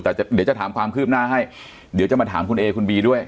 แต่เดี๋ยวจะถามความคืบหน้าให้เดี๋ยวจะมาถามคุณเอคุณบีด้วย